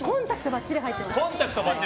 ばっちり入ってます。